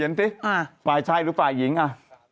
เห็นที่อ่ะฝ่ายชายหรือฝ่ายหญิงอ่ะ